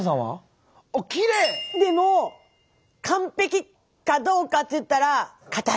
でも完璧かどうかって言ったら硬い。